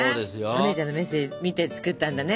お姉ちゃんのメッセージ見て作ったんだね。